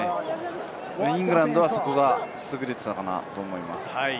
イングランドは、そこが優れていたのかなと思います。